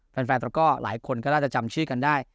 แฟนแฟนแล้วก็หลายคนก็ล่าจะจำชื่อกันได้